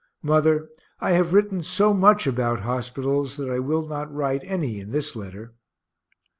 Mother, I have written so much about hospitals that I will not write any in this letter.